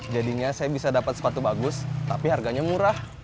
jadinya saya bisa dapat sepatu bagus tapi harganya murah